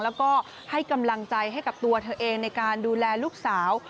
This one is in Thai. แล้วก็ให้กำลังใจให้กับตัวเธอเองในการดูแลลูกสาว